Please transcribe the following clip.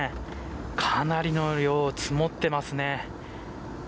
かなりの量、積もってますね。